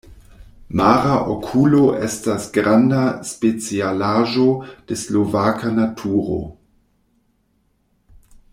Mara okulo estas granda specialaĵo de slovaka naturo.